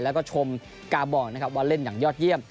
แล้วก็ชมกาบอลนะครับว่าเล่นอย่างยอดเยี่ยม